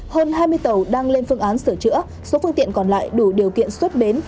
hơn hai mươi tàu đang lên phương án sửa chữa số phương tiện còn lại đủ điều kiện xuất bến